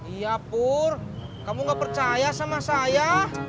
iya pur kamu gak percaya sama saya